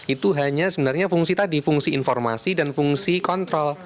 itu hanya sebenarnya fungsi tadi fungsi informasi dan fungsi kontrol